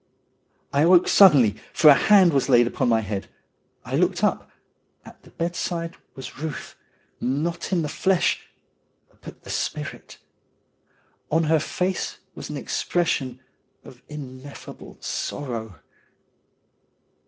I awoke suddenly, for a hand was laid upon my head. I looked up. At the bedside was Euth, not in the flesh, but the spirit. On her face was an expression of ineffable sorrow.